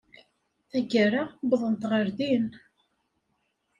Tagara, wwḍent ɣer din.